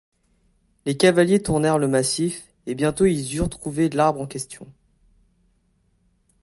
Les cavaliers tournèrent le massif, et bientôt ils eurent trouvé l’arbre en question